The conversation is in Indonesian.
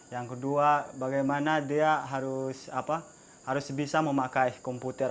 yang kedua bagaimana dia harus bisa memakai komputer